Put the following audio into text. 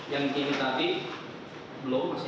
yang ini tadi belum